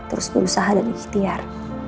terus berusaha dan ikhtiar